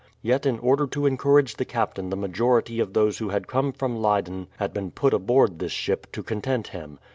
Yet in order to encourage the captain the majority of those who had come from Leyden had been put aboard this ship, to content him.